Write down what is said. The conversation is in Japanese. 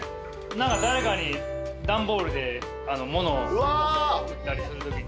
何か誰かに段ボールでものを送ったりするときに。